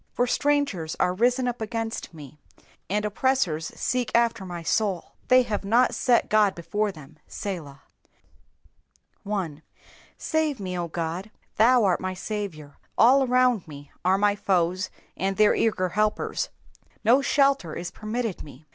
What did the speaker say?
3 For strangers are risen up against me, and oppressors seek after my soul : they have not set God before them. Selah. 1. ^^8ave me, 0 Ood.^^ Thou art my Saviour; all around me are my foes and their eager helpers. No shelter is permitted me.